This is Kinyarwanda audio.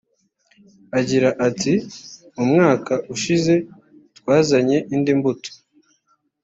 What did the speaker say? Agira ati “Mu mwaka ushize twazanye indi mbuto